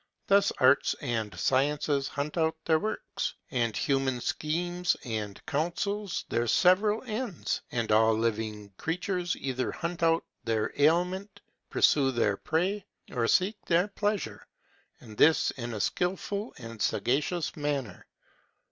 Thus arts and sciences hunt out their works, and human schemes and counsels their several ends; and all living creatures either hunt out their aliment, pursue their prey, or seek their pleasures, and this in a skilful and sagacious manner.